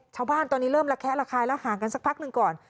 ชาวบ้านตอนนี้เริ่มระแคะระคายแล้วห่างกันสักพักหนึ่งก่อน